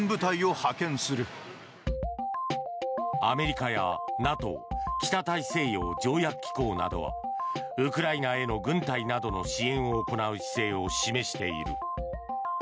アメリカやＮＡＴＯ北大西洋条約機構などはウクライナへの軍隊などの支援を行う姿勢を示している。